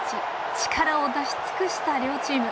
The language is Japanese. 力を出し尽くした両チーム。